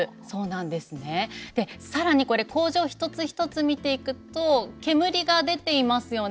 さらにこれ工場一つ一つ見ていくと煙が出ていますよね。